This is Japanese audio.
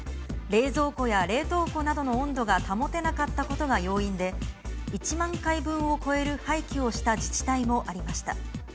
冷蔵庫や冷凍庫などの温度が保てなかったことが要因で、１万回分を超える廃棄をした自治体もありました。